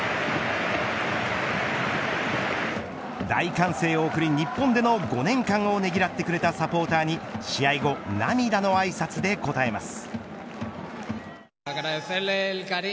大歓声を送り日本での５年間をねぎらってくれたサポーターに試合後涙のあいさつで応えます。